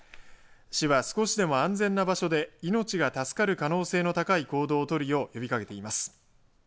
市は少しでも安全な場所で命が助かる可能性の高い行動を取るよう呼びかけています。